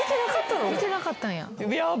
見てなかったんや。